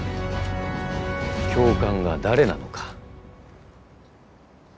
「教官」が誰なのか。